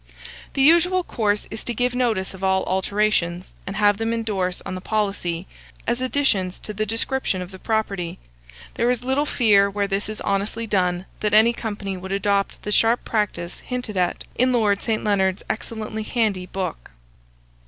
The usual course is to give notice of all alterations, and have them indorse on the policy, as additions to the description of the property: there is little fear, where this is honestly done, that any company would adopt the sharp practice hinted at in Lord St. Leonards' excellent handy book.